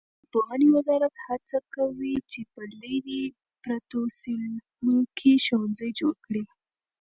د پوهنې وزارت هڅه کوي چې په لیرې پرتو سیمو کې ښوونځي جوړ کړي.